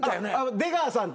出川さんと。